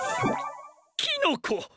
キノコ！